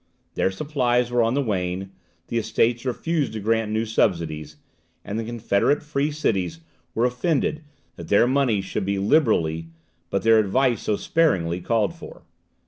Their supplies were on the wane; the Estates refused to grant new subsidies; and the confederate free cities were offended that their money should be liberally, but their advice so sparingly called for.